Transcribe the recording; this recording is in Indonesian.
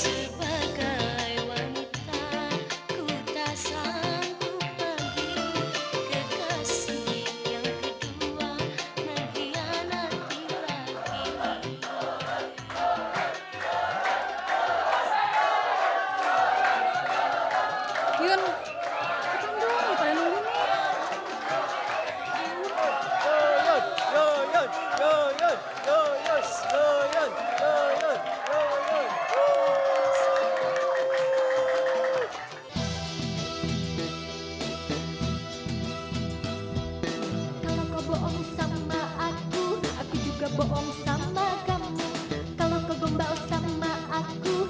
iyun ke sana doang kalo anda nunggu